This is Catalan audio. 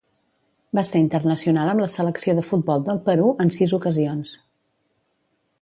Va ser internacional amb la selecció de futbol del Perú en sis ocasions.